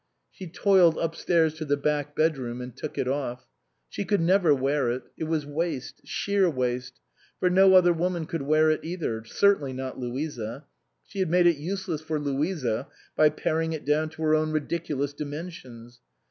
She toiled upstairs to the back bedroom and took it off. She could never wear it. It was waste sheer waste ; for no other woman could wear it either ; certainly not Louisa ; she had made it useless for Louisa by paring it down to her own ridiculous dimensions.